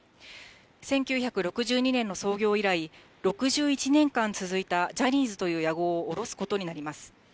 １９６２年の創業以来、６１年間続いたジャニーズという屋号をおろすことになります。